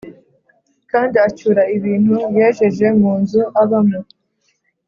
Kandi acyura ibintu yejeje munzu abamo